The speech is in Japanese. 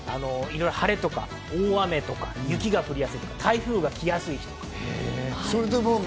晴れとか大雨とか雪が降りやすいとか、台風が来やすい日とか。